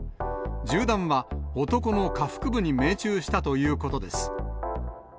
銃弾は、男の下腹部に命中したということです。